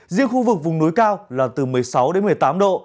riêng khu vực vùng núi cao là từ một mươi sáu đến một mươi tám độ